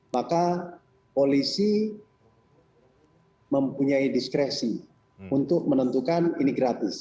maka polisi mempunyai diskresi untuk menentukan ini gratis